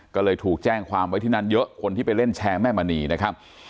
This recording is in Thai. ก็เลยถูกแจ้งความไว้ที่นั่นเยอะคนที่ไปเล่นแชร์แม่มณีนะครับ